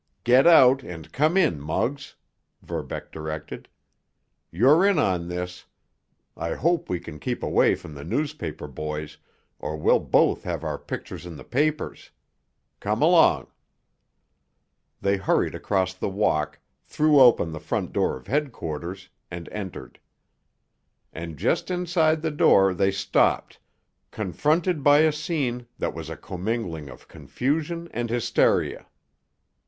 "Get out, and come in, Muggs," Verbeck directed. "You're in on this. I hope we can keep away from the newspaper boys, or we'll both have our pictures in the papers. Come along." They hurried across the walk, threw open the front door of headquarters, and entered. And just inside the door they stopped, confronted by a scene that was a commingling of confusion and hysteria.